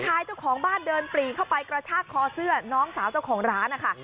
เจ้าของบ้านเดินปรีเข้าไปกระชากคอเสื้อน้องสาวเจ้าของร้านนะคะ